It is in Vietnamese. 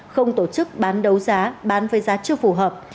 không tổ chức bán đấu giá bán với giá chưa phù hợp